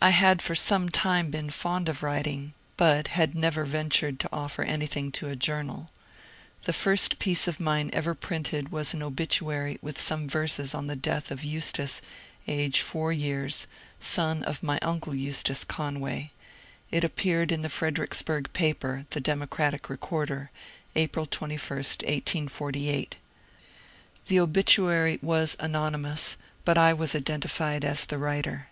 I had for some time been fond of writing, but had never ventured to offer anything to a journal. The first piece of mine ever printed was an obituary with some verses on the death of Eustace, aged four years, son of my uncle Eustace Conway ; it appeared in the Fredericksburg paper (the " De mocratic Recorder ") April 21, 1848. The obituary was anon 62 MONCURE DANIEL CONWAY ymous, but I was identified as the writer.